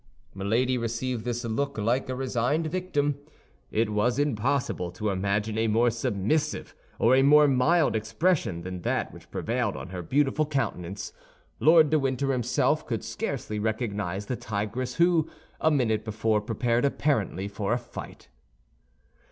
Milady received this look like a resigned victim; it was impossible to imagine a more submissive or a more mild expression than that which prevailed on her beautiful countenance. Lord de Winter himself could scarcely recognize the tigress who, a minute before, prepared apparently for a fight.